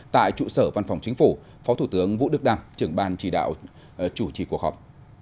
tại trụ sở văn phòng chính phủ phó thủ tướng vũ đức đam trưởng ban chỉ đạo chủ trì cuộc họp